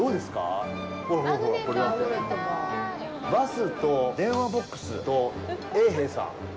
バスと電話ボックスと衛兵さん。